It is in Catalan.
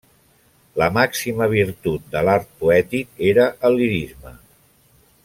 La màxima virtut de l'art poètic era el lirisme.